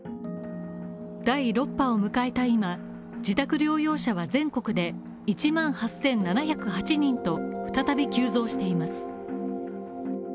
第６波を迎えた今、自宅療養者は全国で１万８７０８人と再び急増しています。